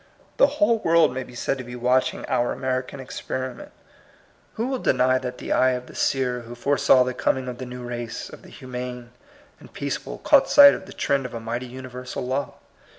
The whole world may be said to be watching our American experiment. Who will deny CBRTAtlf CLEAJt FACT8. 26 that the eye of the seer who foresaw the coming of the new race of the humane and peaceable caught sight of the trend of a mighty universal law?